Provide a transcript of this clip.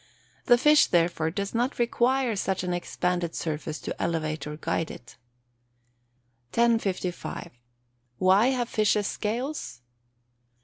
The fish, therefore does not require such an expanded surface to elevate or guide it. 1055. _Why have fishes scales?